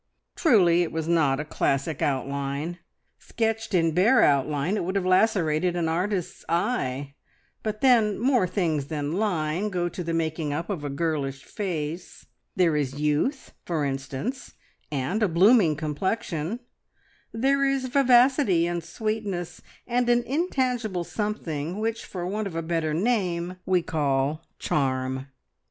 Truly it was not a classic outline! Sketched in bare outline it would have lacerated an artist's eye, but then more things than line go to the making up a girlish face: there is youth, for instance, and a blooming complexion; there is vivacity, and sweetness, and an intangible something which for want of a better name we call "charm."